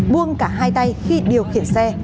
buông cả hai tay khi điều khiển xe